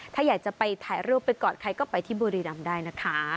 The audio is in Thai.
ถ้าอยากจะไปถ่ายรูปไปกอดใครก็ไปที่บุรีรำได้นะคะ